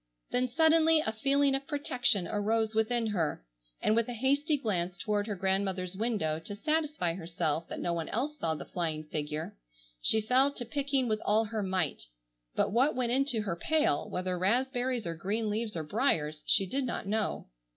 Then suddenly a feeling of protection arose within her, and, with a hasty glance toward her grandmother's window to satisfy herself that no one else saw the flying figure, she fell to picking with all her might, but what went into her pail, whether raspberries or green leaves or briars, she did not know.